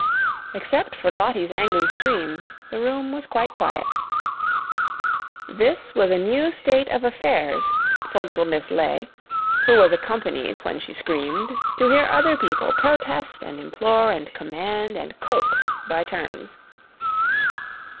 Except for Lottie's angry screams, the room was quite quiet. This was a new state of affairs for little Miss Legh, who was accustomed, when she screamed, to hear other people protest and implore and command and coax by turns.